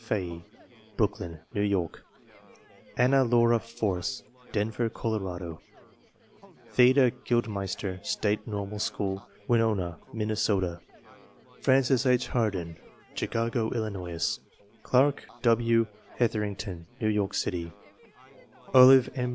Fahey, Brooklyn, New York Anna Laura Force, Denver, Colorado Theda Gildemeister, State Normal School, Winona, Minnesota Frances H. Harden, Chicago, Illinois Clark W. Hetherington, New York City Olive M.